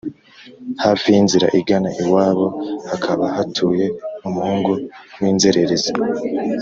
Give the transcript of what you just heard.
hafi y’inzira igana iwabo hakaba hatuye umuhungu w’inzererezi